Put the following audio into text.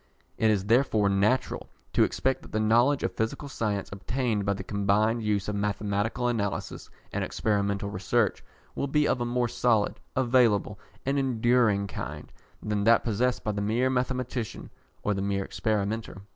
It is therefore natural to expect that the knowledge of physical science obtained by the combined use of mathematical analysis and experimental research will be of a more solid, available, and enduring kind than that possessed by the mere mathematician or the mere experimenter.